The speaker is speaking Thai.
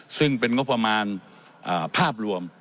ซึ่งเป็นงบประมาณภาพรวม